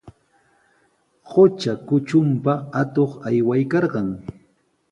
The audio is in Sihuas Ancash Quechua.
Qutra kutrunpa atuq aywaykarqan.